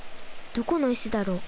どこの石だろう？